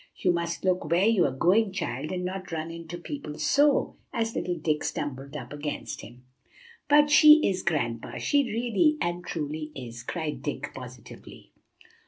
"You must look where you are going, child, and not run into people so," as little Dick stumbled up against him. "But she is, Grandpapa; she really and truly is," cried Dick positively.